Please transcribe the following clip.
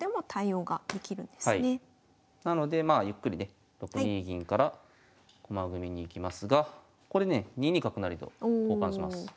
なのでまあゆっくりね６二銀から駒組みにいきますがこれね２二角成とおお。